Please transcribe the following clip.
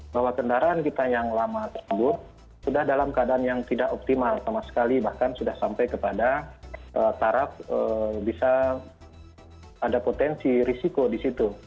bahwa kendaraan kita yang lama tersebut sudah dalam keadaan yang tidak optimal sama sekali bahkan sudah sampai kepada taraf bisa ada potensi risiko di situ